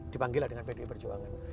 dipanggil dengan pdi perjuangan